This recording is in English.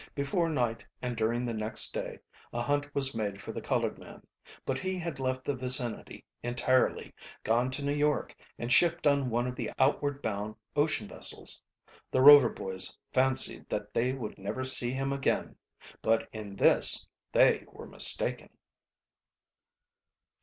Before night and during the next day a hunt was made for the colored man, but he had left the vicinity entirely, gone to New York, and shipped on one of the outward bound ocean vessels. The Rover boys fancied that they would never see him again, but in this they were mistaken.